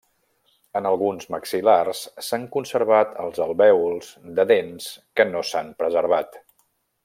En alguns maxil·lars s'han conservat els alvèols de dents que no s'han preservat.